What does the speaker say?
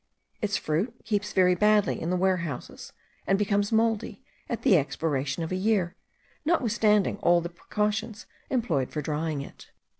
Its fruit keeps very badly in the warehouses, and becomes mouldy at the expiration of a year, notwithstanding all the precautions employed for drying it.